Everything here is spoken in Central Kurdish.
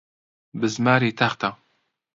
بزماری تەختە.